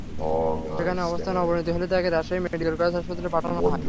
সেখানে অবস্থার অবনতি হলে তাঁকে রাজশাহী মেডিকেল কলেজ হাসপাতালে পাঠানো হয়।